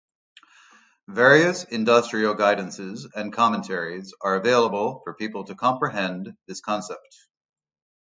Various industrial guidances and commentaries are available for people to comprehend this concept.